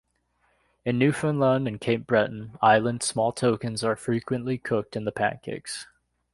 In Newfoundland and Cape Breton Island small tokens are frequently cooked in the pancakes.